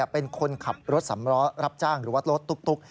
เป็นคนขับรถรับจ้างหรือวัดรถตุ๊ก